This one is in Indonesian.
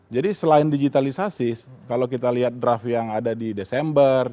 jadi selain digitalisasi kalau kita lihat draft yang ada di desember